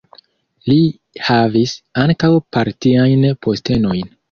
Li havis ankaŭ partiajn postenojn.